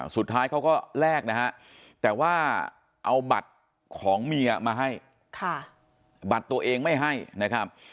สุดท้ายเขาก็แลกนะฮะแต่ว่าเอาบัตรของเมียมาให้บัตรตัวเองไม่ให้นะครับ